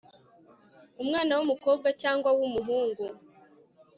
umwana w'umukobwa cyangwa w'umuhungu